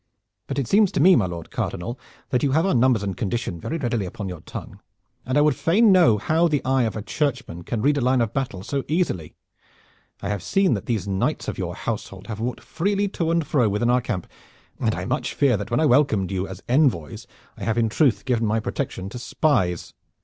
But it seems to me, my Lord Cardinal, that you have our numbers and condition very ready upon your tongue, and I would fain know how the eye of a Churchman can read a line of battle so easily. I have seen that these knights of your household have walked freely to and fro within our camp, and I much fear that when I welcomed you as envoys I have in truth given my protection to spies.